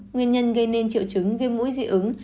nguyên nhân gây nên triệu chứng viêm mũi dị ứng